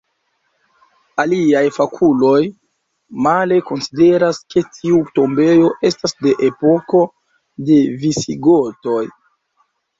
Aliaj fakuloj male konsideras, ke tiu tombejo estas de epoko de visigotoj.